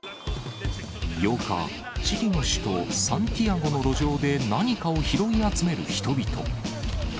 ８日、チリの首都サンティアゴの路上で何かを拾い集める人々。